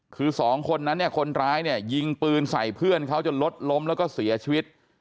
คือสองคนนั้นเนี่ยคนร้ายเนี่ยยิงปืนใส่เพื่อนเขาจนรถล้มแล้วก็เสียชีวิต